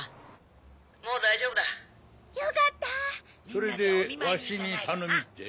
それでわしに頼みって？